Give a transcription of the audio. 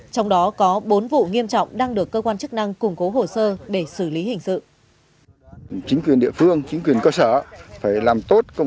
trong đó có bốn vụ nghiêm trọng đang được cơ quan chức năng củng cố hồ sơ để xử lý hình sự